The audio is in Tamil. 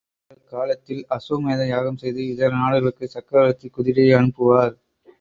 அந்தக் காலத்தில், அஸ்வமேத யாகம் செய்து, இதர நாடுகளுக்கு, சக்கரவர்த்தி குதிரையை அனுப்புவார்.